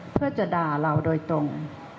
เพื่อจะด่าเราโดยตรง